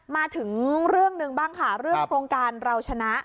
มาถึงเรื่องหนึ่งบ้างค่ะเรื่องโครงการเราชนะ